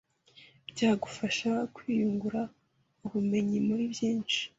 byagufasha kwiyungura ubumenyi muri byinshi